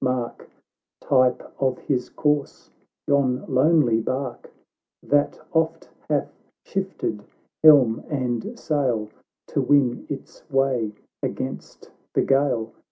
mark, Type of his course, yon lonely bark, That oft hath shifted helm and sail, To win its way against the gale.